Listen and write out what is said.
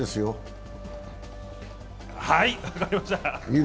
はい、分かりました。